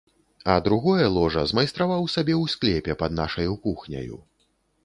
А другое ложа змайстраваў сабе ў склепе пад нашаю кухняю.